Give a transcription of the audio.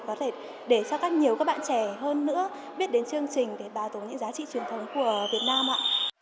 có thể để cho các nhiều các bạn trẻ hơn nữa biết đến chương trình để bà tố những giá trị truyền thống của việt nam ạ